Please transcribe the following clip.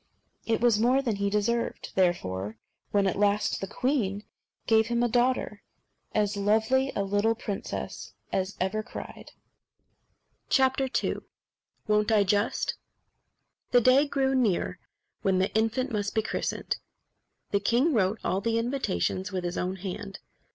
It was more than he deserved, therefore, when, at last, the queen gave him a daughter as lovely a little princess as ever cried. II Won't I, Just? The day drew near when the infant must be christened. The king wrote all the invitations with his own hand.